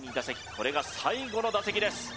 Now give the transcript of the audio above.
これが最後の打席です